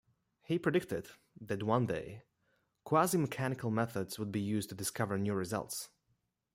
He predicted that one day quasi-mechanical methods would be used to discover new results.